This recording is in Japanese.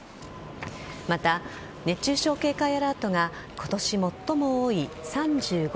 また、熱中症警戒アラートが今年最も多い３５